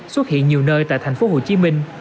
xuất hiện nhiều nơi tại tp hcm